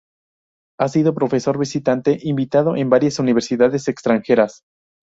Ha sido Profesor Visitante Invitado en varias Universidades extranjeras.